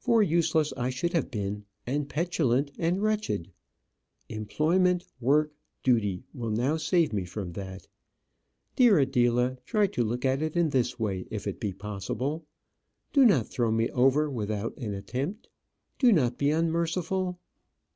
For useless I should have been, and petulant, and wretched. Employment, work, duty, will now save me from that. Dear Adela, try to look at it in this way if it be possible. Do not throw me over without an attempt. Do not be unmerciful.